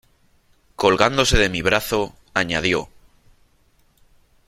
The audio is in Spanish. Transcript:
colgándose de mi brazo , añadió :